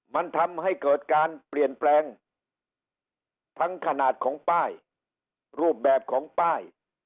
มันทำให้เกิดการเปลี่ยนแปลงทั้งขนาดของป้ายรูปแบบของป้าย